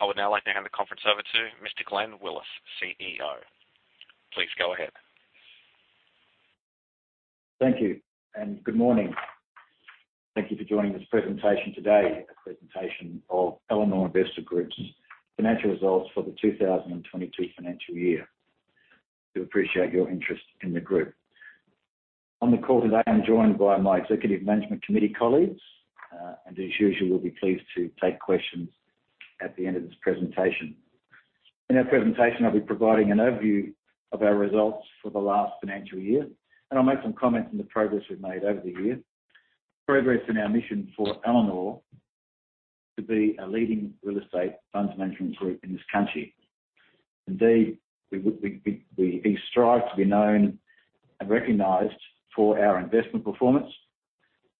I would now like to hand the conference over to Mr. Glenn Willis, CEO. Please go ahead. Thank you and good morning. Thank you for joining this presentation today, a presentation of Elanor Investors Group's financial results for the 2022 financial year. We appreciate your interest in the group. On the call today, I'm joined by my executive management committee colleagues, and as usual, we'll be pleased to take questions at the end of this presentation. In our presentation, I'll be providing an overview of our results for the last financial year, and I'll make some comments on the progress we've made over the year. Progress in our mission for Elanor to be a leading real estate funds management group in this country. Indeed, we strive to be known and recognized for our investment performance,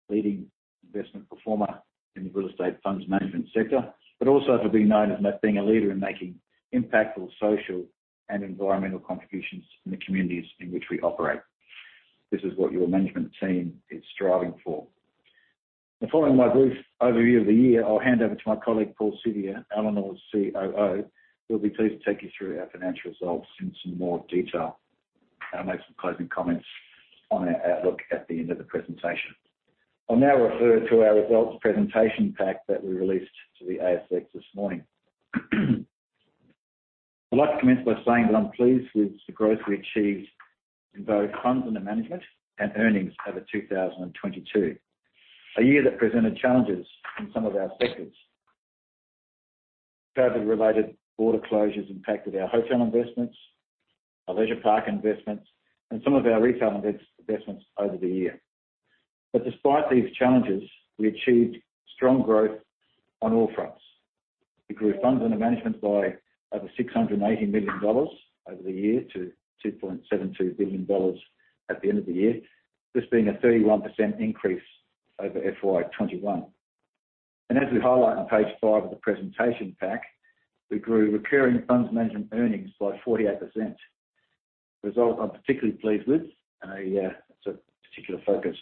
leading investment performer in the real estate funds management sector, but also to be known as being a leader in making impactful social and environmental contributions in the communities in which we operate. This is what your management team is striving for. Now following my brief overview of the year, I'll hand over to my colleague, Paul Siviour, Elanor's COO, who will be pleased to take you through our financial results in some more detail. I'll make some closing comments on our outlook at the end of the presentation. I'll now refer to our results presentation pack that we released to the ASX this morning. I'd like to commence by saying that I'm pleased with the growth we achieved in both funds under management and earnings over 2022. A year that presented challenges in some of our sectors. COVID-related border closures impacted our hotel investments, our leisure park investments, and some of our retail investments over the year. Despite these challenges, we achieved strong growth on all fronts. We grew funds under management by over 680 million dollars over the year to 2.72 billion dollars at the end of the year, this being a 31% increase over FY 2021. As we highlight on page five of the presentation pack, we grew recurring funds management earnings by 48%. Result I'm particularly pleased with, and it's a particular focus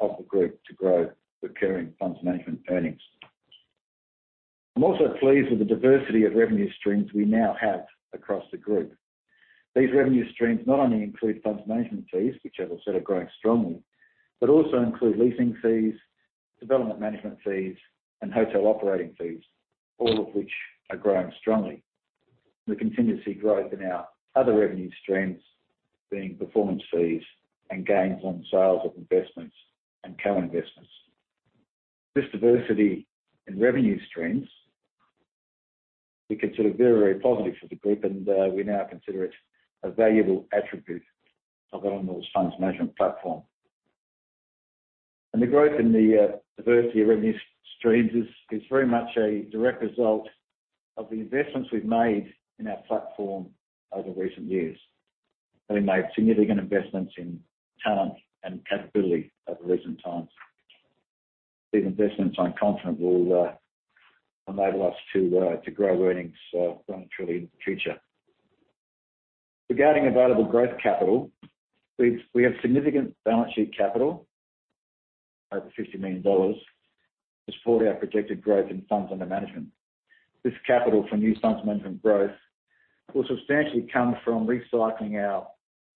of the group to grow recurring funds management earnings. I'm also pleased with the diversity of revenue streams we now have across the group. These revenue streams not only include funds management fees, which as I said, are growing strongly, but also include leasing fees, development management fees, and hotel operating fees, all of which are growing strongly. The continuing growth in our other revenue streams being performance fees and gains on sales of investments and co-investments. This diversity in revenue streams, we consider very positive for the group, and we now consider it a valuable attribute of Elanor's funds management platform. The growth in the diversity of revenue streams is very much a direct result of the investments we've made in our platform over recent years. We made significant investments in talent and capability over recent times. These investments, I'm confident, will enable us to to grow earnings financially in the future. Regarding available growth capital, we have significant balance sheet capital, over 50 million dollars, to support our projected growth in funds under management. This capital for new funds management growth will substantially come from recycling our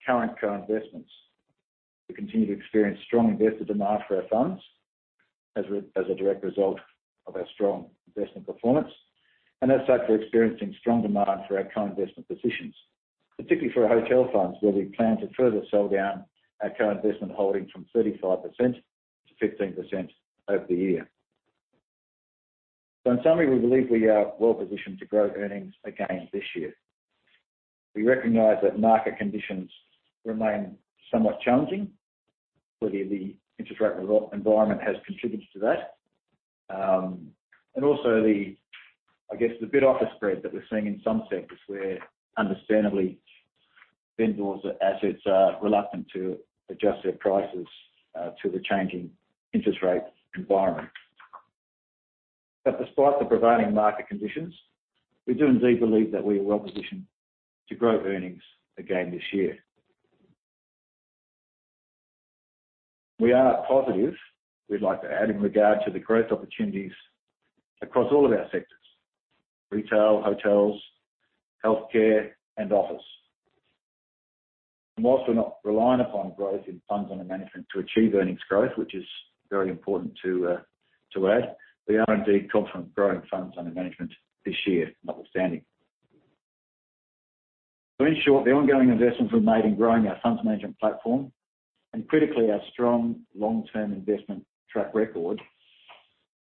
current co-investments. We continue to experience strong investor demand for our funds as a direct result of our strong investment performance. As such, we are experiencing strong demand for our co-investment positions, particularly for our hotel funds, where we plan to further sell down our co-investment holdings from 35%-15% over the year. In summary, we believe we are well-positioned to grow earnings again this year. We recognize that market conditions remain somewhat challenging, clearly the interest rate environment has contributed to that, and also the, I guess, the bid offer spread that we're seeing in some sectors where understandably vendors or assets are reluctant to adjust their prices to the changing interest rate environment. Despite the prevailing market conditions, we do indeed believe that we are well-positioned to grow earnings again this year. We are positive, we'd like to add, in regard to the growth opportunities across all of our sectors, retail, hotels, healthcare, and office. Whilst we're not reliant upon growth in funds under management to achieve earnings growth, which is very important to add, we are indeed confident growing funds under management this year notwithstanding. In short, the ongoing investments we've made in growing our funds management platform and critically, our strong long-term investment track record,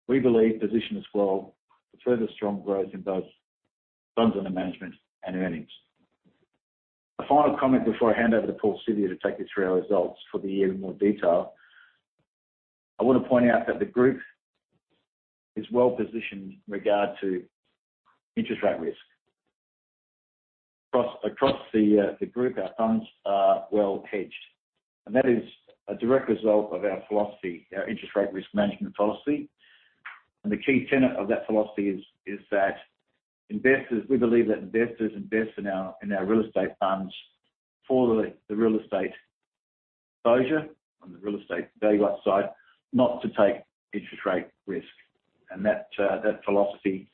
we believe position us well for further strong growth in both funds under management and earnings. A final comment before I hand over to Paul Siviour to take you through our results for the year in more detail. I want to point out that the group is well-positioned in regard to interest rate risk. Across the group, our funds are well hedged, and that is a direct result of our philosophy, our interest rate risk management policy. The key tenet of that philosophy is that investors we believe that investors invest in our real estate funds for the real estate exposure on the real estate value upside not to take interest rate risk. That philosophy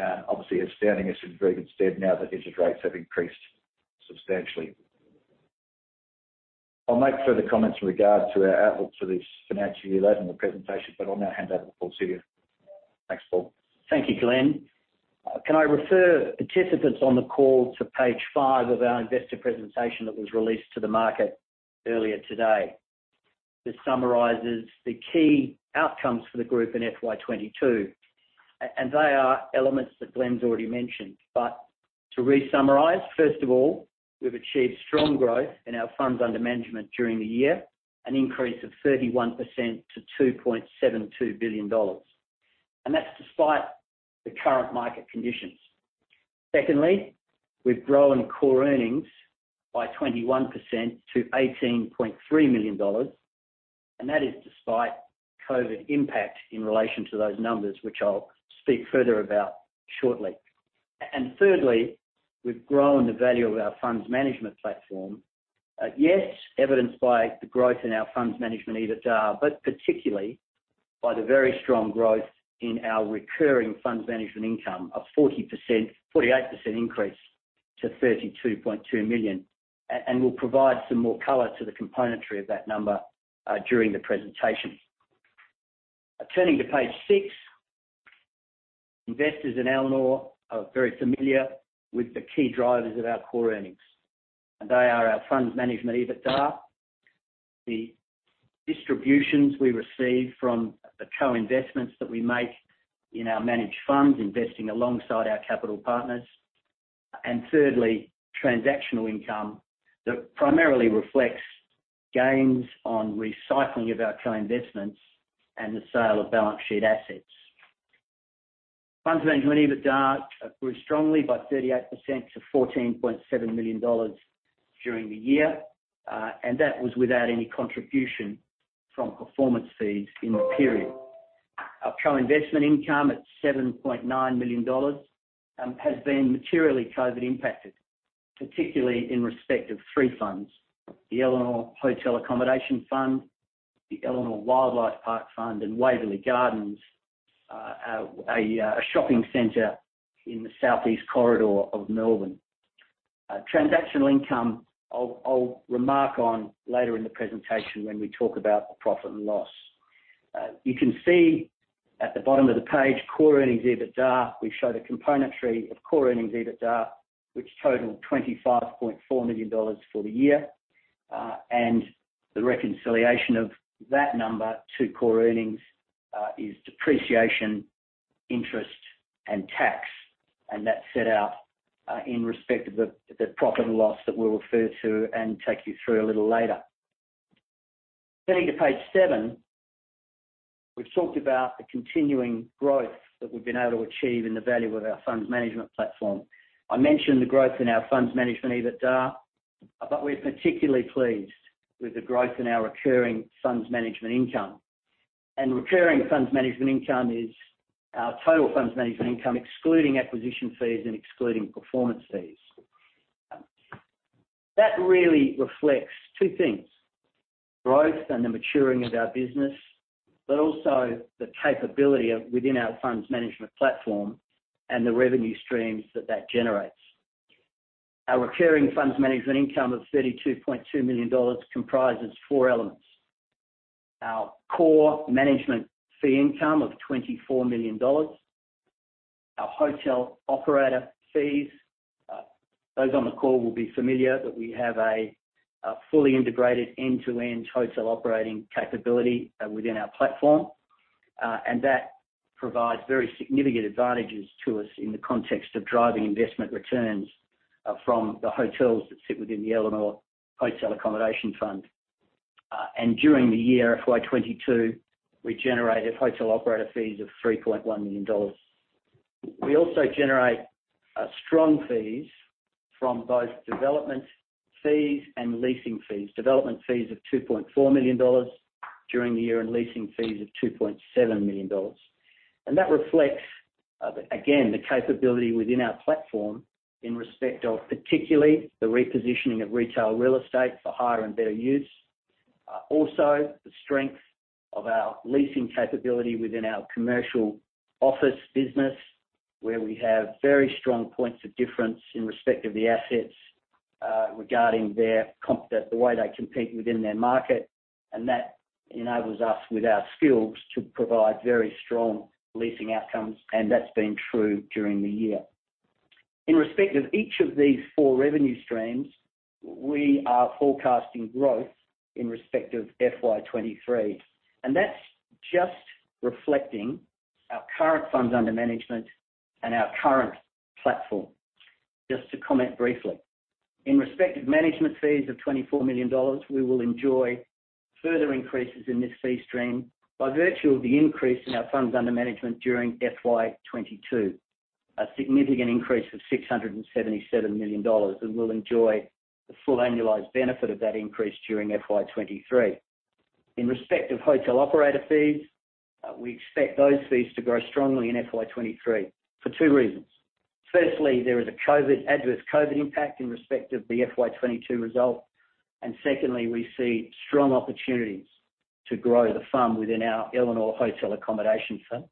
obviously has stood us in very good stead now that interest rates have increased substantially. I'll make further comments with regard to our outlook for this financial year later in the presentation, but I'll now hand over to Paul Siviour. Thanks, Paul. Thank you, Glenn. Can I refer participants on the call to page five of our investor presentation that was released to the market earlier today? This summarizes the key outcomes for the group in FY 2022, and they are elements that Glenn's already mentioned. To re-summarize, first of all, we've achieved strong growth in our funds under management during the year, an increase of 31% to 2.72 billion dollars, and that's despite the current market conditions. Secondly, we've grown core earnings by 21% to 18.3 million dollars, and that is despite COVID impact in relation to those numbers, which I'll speak further about shortly. Thirdly, we've grown the value of our funds management platform. Yes, evidenced by the growth in our funds management EBITDA, but particularly by the very strong growth in our recurring funds management income of 40%. 48% increase to 32.2 million. And we'll provide some more color to the components of that number during the presentation. Turning to page six, investors in Elanor are very familiar with the key drivers of our core earnings, and they are our funds management EBITDA, the distributions we receive from the co-investments that we make in our managed funds, investing alongside our capital partners. Thirdly, transactional income that primarily reflects gains on recycling of our co-investments and the sale of balance sheet assets. Funds management EBITDA grew strongly by 38% to 14.7 million dollars during the year, and that was without any contribution from performance fees in the period. Our co-investment income at 7.9 million dollars has been materially COVID impacted, particularly in respect of three funds, the Elanor Hotel Accommodation Fund, the Elanor Wildlife Park Fund, and Waverley Gardens, a shopping center in the south east corridor of Melbourne. Transactional income, I'll remark on later in the presentation when we talk about the profit and loss. You can see at the bottom of the page, core earnings EBITDA. We show the componentry of core earnings EBITDA, which totaled 25.4 million dollars for the year. The reconciliation of that number to core earnings is depreciation, interest and tax. That's set out in respect of the profit and loss that we'll refer to and take you through a little later. Turning to page seven, we've talked about the continuing growth that we've been able to achieve in the value of our funds management platform. I mentioned the growth in our funds management EBITDA, but we're particularly pleased with the growth in our recurring funds management income. Recurring funds management income is our total funds management income, excluding acquisition fees and excluding performance fees. That really reflects two things, growth and the maturing of our business, but also the capability within our funds management platform and the revenue streams that that generates. Our recurring funds management income of 32.2 million dollars comprises four elements. Our core management fee income of 24 million dollars, our hotel operator fees. Those on the call will be familiar that we have a fully integrated end-to-end hotel operating capability within our platform. That provides very significant advantages to us in the context of driving investment returns from the hotels that sit within the Elanor Hotel Accommodation Fund. During the year, FY 2022, we generated hotel operator fees of 3.1 million dollars. We also generate strong fees from both development fees and leasing fees. Development fees of 2.4 million dollars during the year, and leasing fees of 2.7 million dollars. That reflects again the capability within our platform in respect of particularly the repositioning of retail real estate for higher and better use. Also the strength of our leasing capability within our commercial office business, where we have very strong points of difference in respect of the assets regarding their comp. The way they compete within their market, and that enables us, with our skills, to provide very strong leasing outcomes. That's been true during the year. In respect of each of these four revenue streams, we are forecasting growth in respect of FY 2023, and that's just reflecting our current funds under management and our current platform. Just to comment briefly, in respect of management fees of 24 million dollars, we will enjoy further increases in this fee stream by virtue of the increase in our funds under management during FY 2022. A significant increase of 677 million dollars, and we'll enjoy the full annualized benefit of that increase during FY 2023. In respect of hotel operator fees, we expect those fees to grow strongly in FY 2023 for two reasons. Firstly, there is a COVID-adverse COVID impact in respect of the FY 2022 result. Secondly, we see strong opportunities to grow the fund within our Elanor Hotel Accommodation Fund.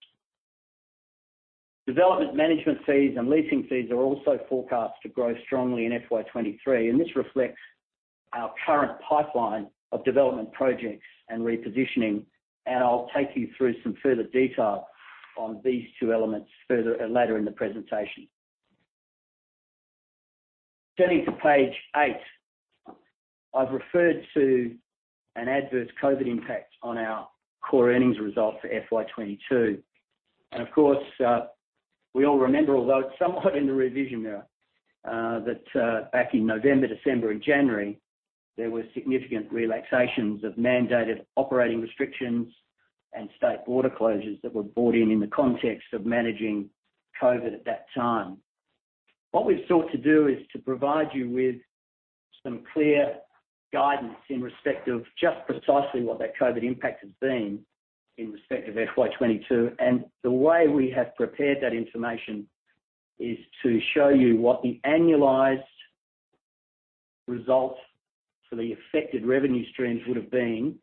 Development management fees and leasing fees are also forecast to grow strongly in FY 2023, and this reflects our current pipeline of development projects and repositioning, and I'll take you through some further detail on these two elements further later in the presentation. Turning to page eight. I've referred to an adverse COVID impact on our core earnings result for FY 2022. Of course, we all remember, although it's somewhat in the rearview mirror, that back in November, December and January, there were significant relaxations of mandated operating restrictions and state border closures that were brought in the context of managing COVID at that time. What we've sought to do is to provide you with some clear guidance in respect of just precisely what that COVID impact has been in respect of FY 2022. The way we have prepared that information is to show you what the annualized results for the affected revenue streams would have been,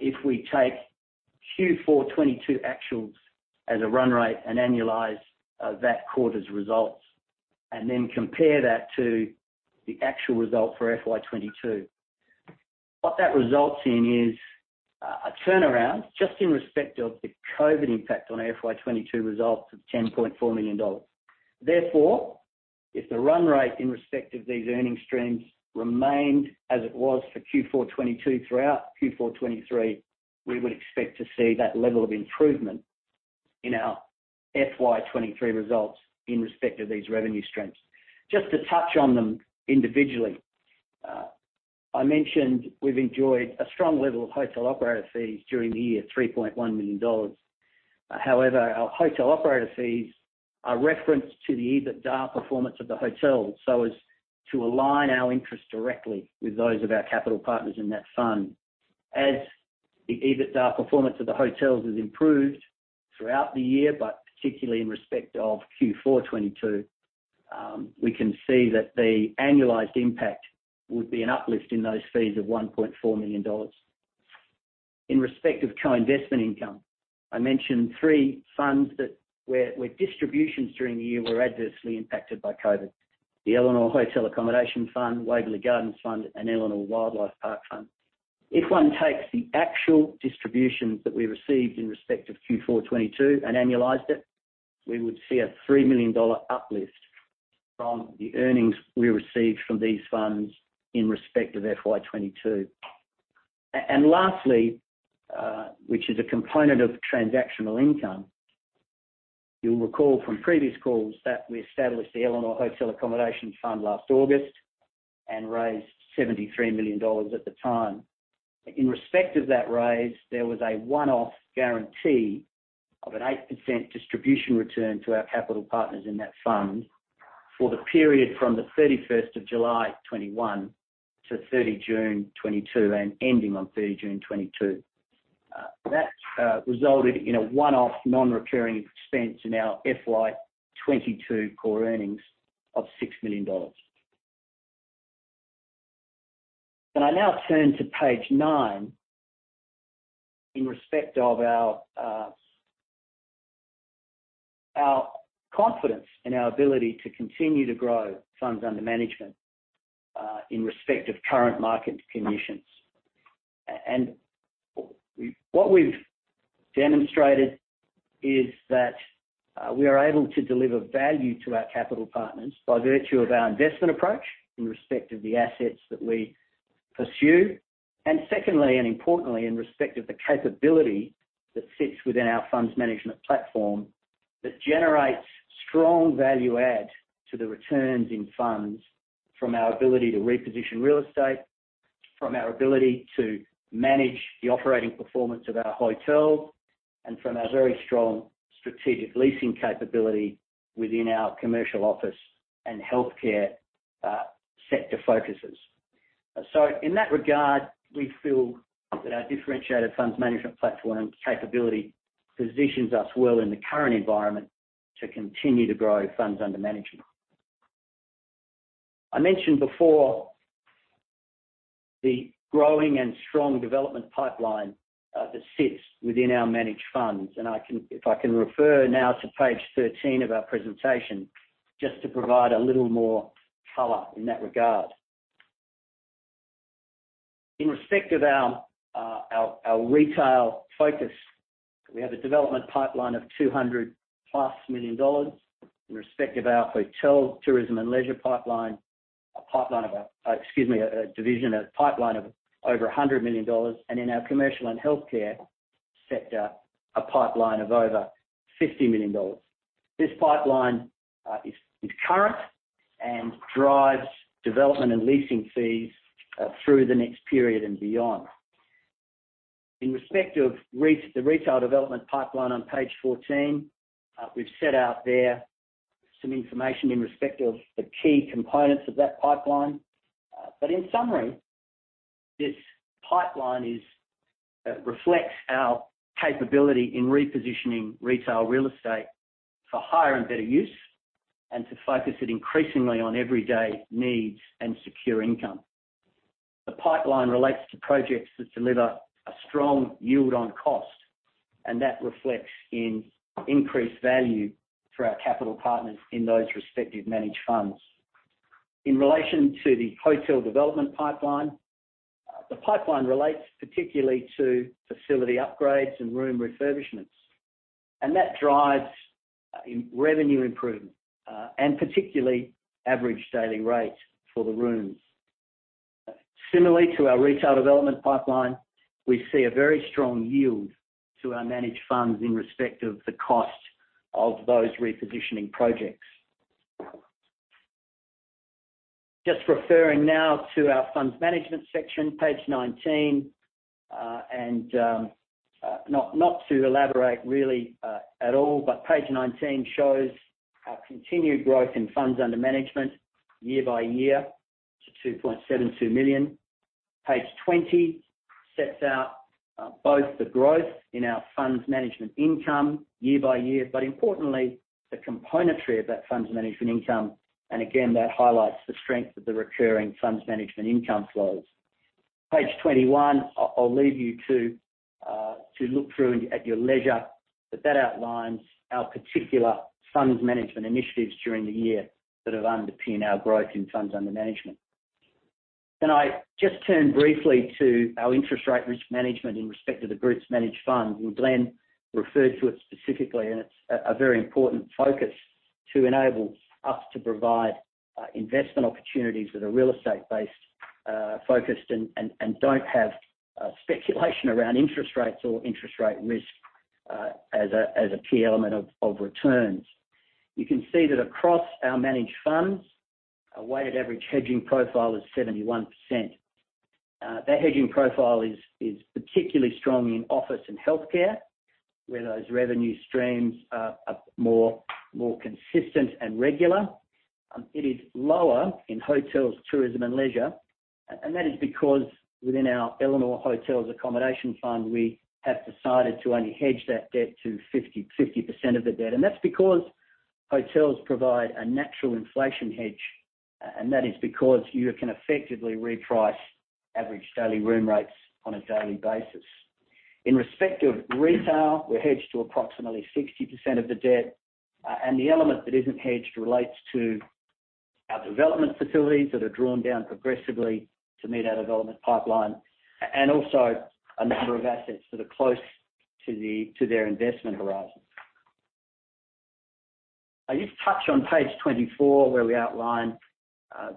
if we take Q4 2022 actuals as a run rate and annualize that quarter's results, and then compare that to the actual result for FY 2022. What that results in is a turnaround just in respect of the COVID impact on FY 2022 results of 10.4 million dollars. Therefore, if the run rate in respect of these earnings streams remained as it was for Q4 2022 throughout Q4 2023, we would expect to see that level of improvement in our FY 2023 results in respect of these revenue streams. Just to touch on them individually. I mentioned we've enjoyed a strong level of hotel operator fees during the year, 3.1 million dollars. However, our hotel operator fees are referenced to the EBITDA performance of the hotel, so as to align our interests directly with those of our capital partners in that fund. As the EBITDA performance of the hotels has improved throughout the year, but particularly in respect of Q4 2022, we can see that the annualized impact would be an uplift in those fees of 1.4 million dollars. In respect of co-investment income, I mentioned three funds where distributions during the year were adversely impacted by COVID. The Elanor Hotel Accommodation Fund, Waverley Gardens Fund, and Elanor Wildlife Park Fund. If one takes the actual distributions that we received in respect of Q4 2022 and annualized it, we would see an 3 million dollar uplift from the earnings we received from these funds in respect of FY 2022. Lastly, which is a component of transactional income. You'll recall from previous calls that we established the Elanor Hotel Accommodation Fund last August and raised 73 million dollars at the time. In respect of that raise, there was a one-off guarantee of an 8% distribution return to our capital partners in that fund for the period from 31st July 2021 to 30 June 2022 and ending on 30 June 2022. That resulted in a one-off non-recurring expense in our FY 2022 core earnings of AUD 6 million. I now turn to page nine in respect of our confidence in our ability to continue to grow funds under management in respect of current market conditions. What we've demonstrated is that we are able to deliver value to our capital partners by virtue of our investment approach in respect of the assets that we pursue. Secondly, and importantly, in respect of the capability that sits within our funds management platform that generates strong value add to the returns in funds from our ability to reposition real estate, from our ability to manage the operating performance of our hotels, and from our very strong strategic leasing capability within our commercial office and healthcare sector focuses. In that regard, we feel that our differentiated funds management platform capability positions us well in the current environment to continue to grow funds under management. I mentioned before the growing and strong development pipeline that sits within our managed funds. I can refer now to page 13 of our presentation, just to provide a little more color in that regard. In respect of our retail focus, we have a development pipeline of 200+ million dollars. In respect of our Hotels, Tourism and Leisure pipeline, a pipeline of over 100 million dollars. In our commercial and healthcare sector, a pipeline of over 50 million dollars. This pipeline is current and drives development and leasing fees through the next period and beyond. In respect of the retail development pipeline on page 14, we've set out there some information in respect of the key components of that pipeline. In summary, this pipeline reflects our capability in repositioning retail real estate for higher and better use, and to focus it increasingly on everyday needs and secure income. The pipeline relates to projects that deliver a strong yield on cost, and that reflects in increased value for our capital partners in those respective managed funds. In relation to the hotel development pipeline, the pipeline relates particularly to facility upgrades and room refurbishments. That drives revenue improvement and particularly average daily rates for the rooms. Similarly to our retail development pipeline, we see a very strong yield to our managed funds in respect of the cost of those repositioning projects. Just referring now to our funds management section, page 19. Not to elaborate really at all, but page 19 shows our continued growth in funds under management year by year to 2.72 million. Page 20 sets out both the growth in our funds management income year by year, but importantly, the components of that funds management income. Again, that highlights the strength of the recurring funds management income flows. Page 21, I'll leave you to look through at your leisure, but that outlines our particular funds management initiatives during the year that have underpin our growth in funds under management. Can I just turn briefly to our interest rate risk management in respect to the group's managed fund? Glenn referred to it specifically, and it's a very important focus to enable us to provide investment opportunities that are real estate-based, focused and don't have speculation around interest rates or interest rate risk as a key element of returns. You can see that across our managed funds, our weighted average hedging profile is 71%. That hedging profile is particularly strong in office and healthcare, where those revenue streams are more consistent and regular. It is lower in Hotels, Tourism and Leisure. That is because within our Elanor Hotel Accommodation Fund, we have decided to only hedge that debt to 50% of the debt. That's because hotels provide a natural inflation hedge, and that is because you can effectively reprice average daily room rates on a daily basis. In respect of retail, we're hedged to approximately 60% of the debt, and the element that isn't hedged relates to our development facilities that are drawn down progressively to meet our development pipeline, and also a number of assets that are close to their investment horizon. I'll just touch on page 24, where we outline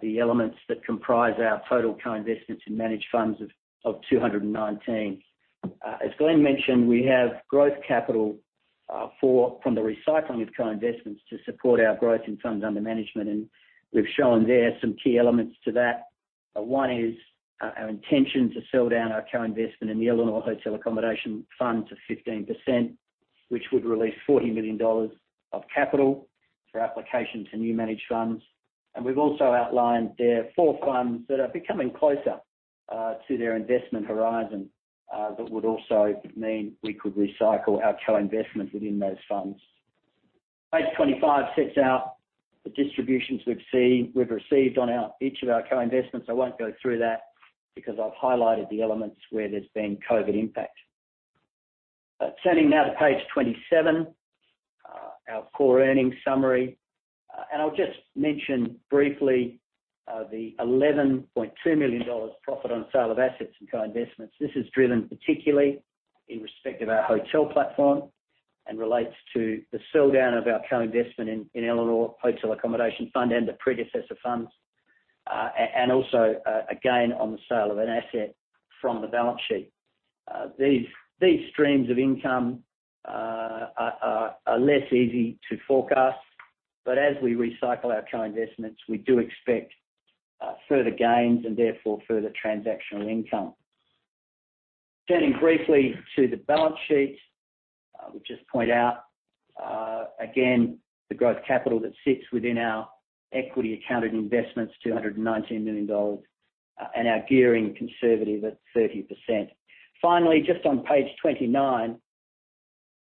the elements that comprise our total co-investments in managed funds of 219 million. As Glenn Willis mentioned, we have growth capital from the recycling of co-investments to support our growth in funds under management, and we've shown there some key elements to that. One is our intention to sell down our co-investment in the Elanor Hotel Accommodation Fund to 15%, which would release 40 million dollars of capital for application to new managed funds. We've also outlined there four funds that are becoming closer to their investment horizon that would also mean we could recycle our co-investment within those funds. Page 25 sets out the distributions we've received on each of our co-investments. I won't go through that because I've highlighted the elements where there's been COVID impact. Turning now to page 27, our core earnings summary. I'll just mention briefly the 11.2 million dollars profit on sale of assets and co-investments. This is driven particularly in respect of our hotel platform and relates to the sell down of our co-investment in Elanor Hotel Accommodation Fund and the predecessor funds. And also a gain on the sale of an asset from the balance sheet. These streams of income are less easy to forecast. As we recycle our co-investments, we do expect further gains and therefore further transactional income. Turning briefly to the balance sheet, I would just point out again the growth capital that sits within our equity accounted investments, 219 million dollars, and our gearing conservative at 30%. Finally, just on page 29,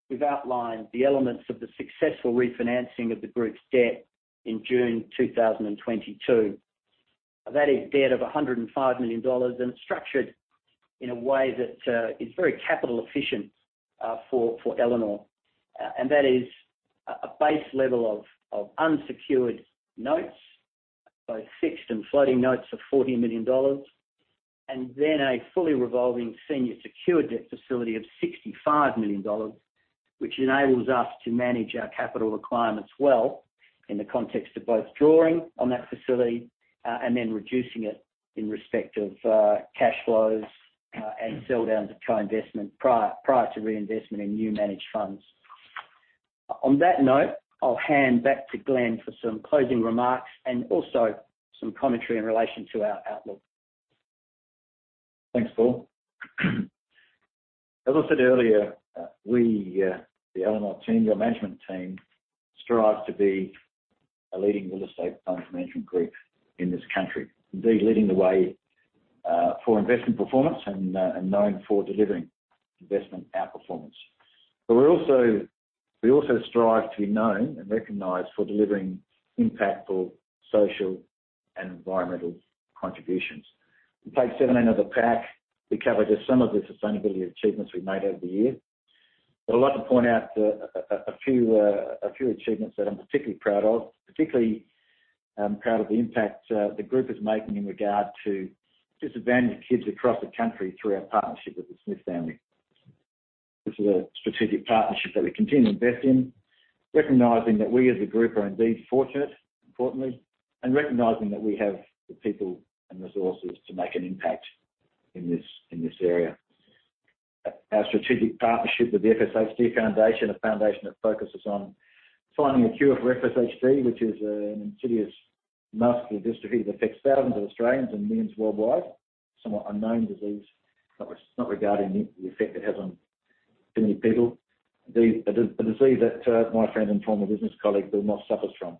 we've outlined the elements of the successful refinancing of the group's debt in June 2022. That is debt of 105 million dollars and structured in a way that is very capital efficient for Elanor. That is a base level of unsecured notes, both fixed and floating notes of 40 million dollars, and then a fully revolving senior secured debt facility of 65 million dollars, which enables us to manage our capital requirements well in the context of both drawing on that facility, and then reducing it in respect of cash flows, and sell downs of co-investment prior to reinvestment in new managed funds. On that note, I'll hand back to Glenn for some closing remarks and also some commentary in relation to our outlook. Thanks, Paul. As I said earlier, we, the Elanor team, your management team, strives to be a leading real estate fund management group in this country. Indeed, leading the way, for investment performance and known for delivering investment outperformance. We're also. We also strive to be known and recognized for delivering impactful social and environmental contributions. On page 17 of the pack, we covered just some of the sustainability achievements we've made over the year. I'd like to point out a few achievements that I'm particularly proud of. Particularly, I'm proud of the impact, the group is making in regard to disadvantaged kids across the country through our partnership with The Smith Family. This is a strategic partnership that we continue to invest in, recognizing that we as a group are indeed fortunate, importantly, and recognizing that we have the people and resources to make an impact in this area. Our strategic partnership with the FSHD Global Research Foundation, a foundation that focuses on finding a cure for FSHD, which is an insidious muscular dystrophy that affects thousands of Australians and millions worldwide, somewhat unknown disease, not regarding the effect it has on many people. The disease that my friend and former business colleague Bill Moss suffers from.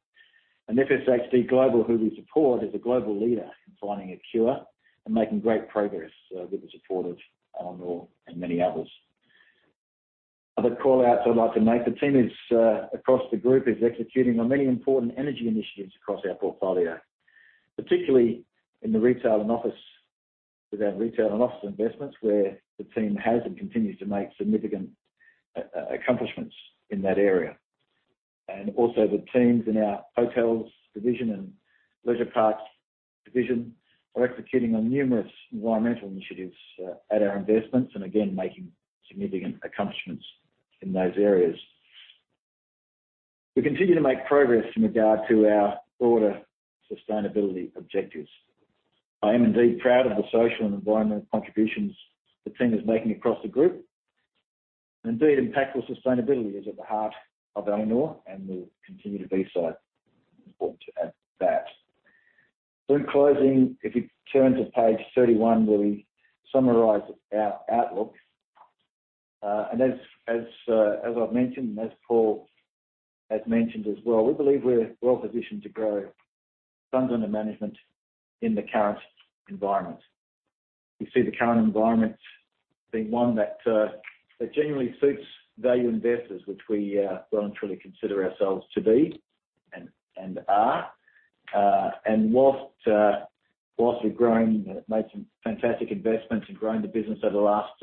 FSHD Global, who we support, is a global leader in finding a cure and making great progress with the support of Elanor and many others. Other call-outs I'd like to make, the team across the group is executing on many important energy initiatives across our portfolio, particularly with our retail and office investments, where the team has and continues to make significant accomplishments in that area. The teams in our hotels division and leisure parks division are executing on numerous environmental initiatives at our investments, and again, making significant accomplishments in those areas. We continue to make progress in regard to our broader sustainability objectives. I am indeed proud of the social and environmental contributions the team is making across the group, and indeed, impactful sustainability is at the heart of Elanor and will continue to be so. Important to add that. In closing, if you turn to page 31, where we summarize our outlooks. As I've mentioned, and as Paul has mentioned as well, we believe we're well-positioned to grow funds under management in the current environment. We see the current environment being one that genuinely suits value investors, which we well and truly consider ourselves to be and are. While we've grown, made some fantastic investments and grown the business over the last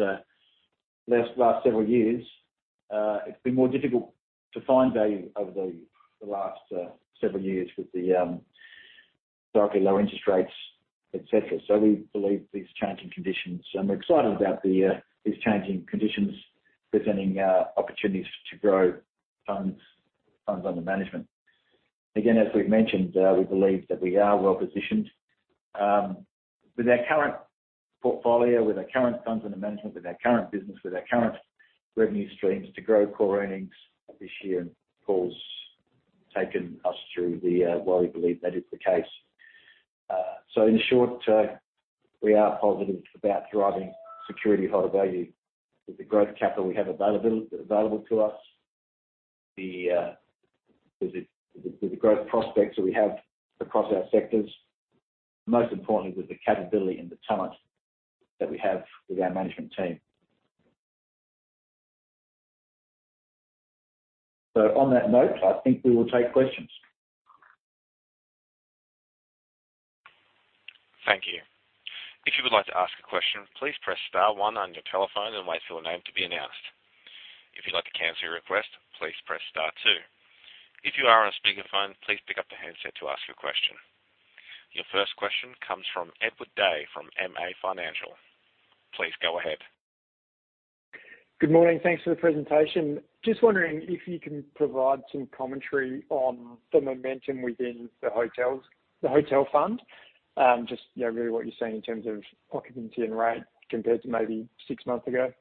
several years, it's been more difficult to find value over the last several years with the historically low interest rates, et cetera. We believe these changing conditions, and we're excited about these changing conditions presenting opportunities to grow funds under management. Again, as we've mentioned, we believe that we are well-positioned with our current portfolio, with our current funds under management, with our current business, with our current revenue streams to grow core earnings this year. Paul's taken us through the why we believe that is the case. In short, we are positive about driving security holder value with the growth capital we have available to us, with the growth prospects that we have across our sectors, most importantly with the capability and the talent that we have with our management team. On that note, I think we will take questions. Thank you. If you would like to ask a question, please press star one on your telephone and wait for your name to be announced. If you'd like to cancel your request, please press star two. If you are on a speakerphone, please pick up the handset to ask your question. Your first question comes from Edward Day from MA Financial. Please go ahead. Good morning. Thanks for the presentation. Just wondering if you can provide some commentary on the momentum within the hotels, the hotel fund. Just, you know, really what you're seeing in terms of occupancy and rate compared to maybe six months ago.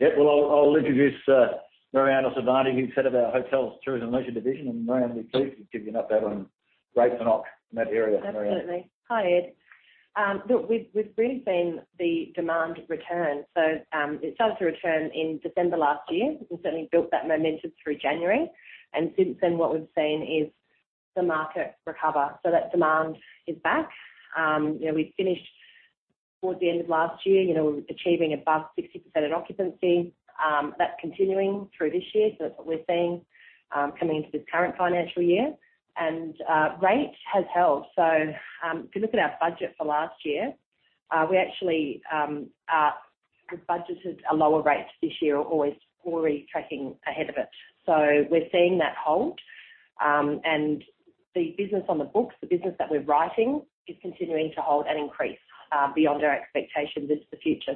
Well, I'll introduce Marianne Ossovani, who's head of our Hotels, Tourism, Leisure division, and Marianne, please give us an update on rates and occ in that area. Marianne. Absolutely. Hi, Ed. Look, we've really seen the demand return. It started to return in December last year. We certainly built that momentum through January. Since then what we've seen is the market recover. That demand is back. You know, we finished towards the end of last year, you know, achieving above 60% in occupancy, that's continuing through this year. That's what we're seeing, coming into this current financial year. Rate has held. If you look at our budget for last year, we actually, we've budgeted a lower rate this year but it's already tracking ahead of it. We're seeing that hold, and the business on the books, the business that we're writing is continuing to hold and increase, beyond our expectations into the future.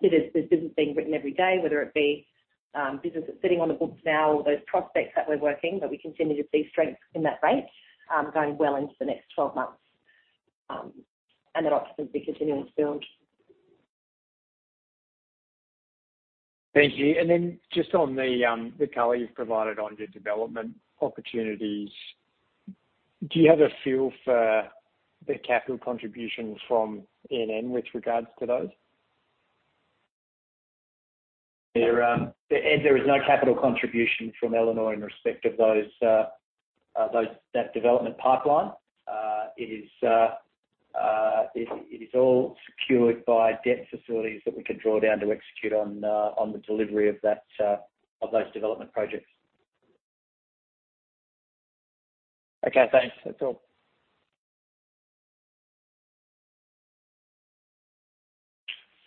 There's business being written every day, whether it be business that's sitting on the books now or those prospects that we're working, but we continue to see strength in that rate going well into the next 12 months, and that occupancy continuing to build. Thank you. Just on the color you've provided on your development opportunities, do you have a feel for the capital contribution from ENN with regards to those? Ed, there is no capital contribution from Elanor in respect of that development pipeline. It is all secured by debt facilities that we can draw down to execute on the delivery of those development projects. Okay, thanks. That's all.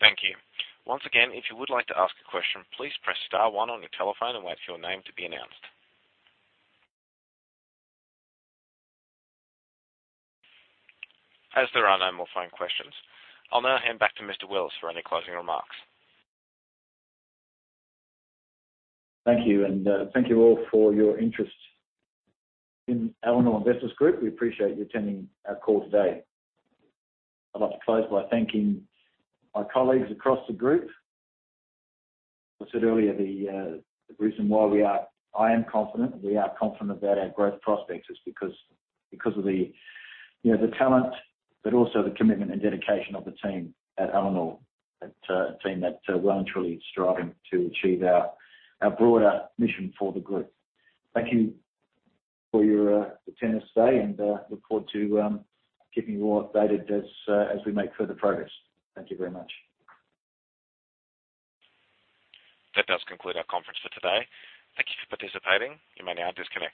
Thank you. Once again, if you would like to ask a question, please press star one on your telephone and wait for your name to be announced. As there are no more phone questions, I'll now hand back to Mr. Willis for any closing remarks. Thank you, and thank you all for your interest in Elanor Investors Group. We appreciate you attending our call today. I'd like to close by thanking my colleagues across the group. I said earlier the reason why I am confident and we are confident about our growth prospects is because of the, you know, the talent, but also the commitment and dedication of the team at Elanor. It's a team that's well and truly striving to achieve our broader mission for the group. Thank you for your attendance today, and look forward to keeping you all updated as we make further progress. Thank you very much. That does conclude our conference for today. Thank you for participating. You may now disconnect.